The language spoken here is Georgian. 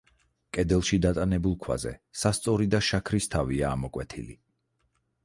კედელში დატანებულ ქვაზე სასწორი და შაქრის თავია ამოკვეთილი.